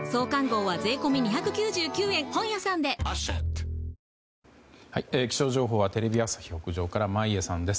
東京海上日動気象情報はテレビ朝日屋上から眞家さんです。